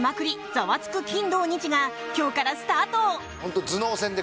ザワつく金土日！」が今日からスタート！